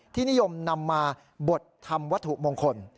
ที่นิยมนำมาบดทำวัตถุมงคล